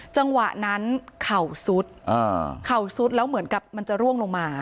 จังหวะนั้นเข่าซุดเข่าซุดแล้วเหมือนกับมันจะร่วงลงมา